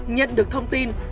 nhận được thông tin